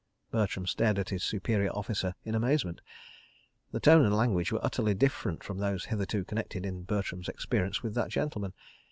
Bertram stared at his superior officer in amazement. The tone and language were utterly different from those hitherto connected, in Bertram's experience, with that gentleman.